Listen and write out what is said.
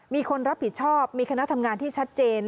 มีคนรับผิดชอบมีคณะทำงานที่ชัดเจน